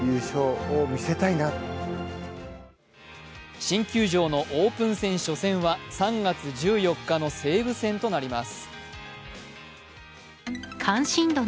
新球場のオープン戦初戦は３月１４日の西武戦となります。